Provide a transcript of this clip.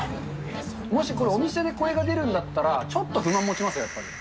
もしこれ、お店でこれが出るんだったら、ちょっと不満持ちますよ、やっぱり。